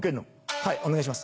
「はいお願いします」